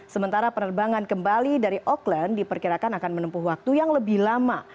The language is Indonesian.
sementara penerbangan kembali dari auckland diperkirakan akan menempuh waktu yang lebih lama